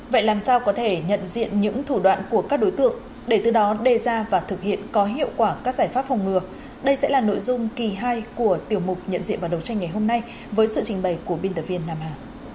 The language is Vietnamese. vậy làm sao có thể nhận diện những thủ đoạn của các đối tượng để từ đó đề ra và thực hiện có hiệu quả các giải pháp phòng ngừa đây sẽ là nội dung kỳ hai của tiểu mục nhận diện và đấu tranh ngày hôm nay với sự trình bày của biên tập viên nam hà